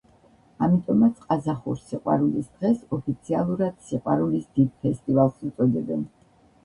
ამიტომაც ყაზახურ სიყვარულის დღეს ოფიციალურად „სიყვარულის დიდ ფესტივალს“ უწოდებენ.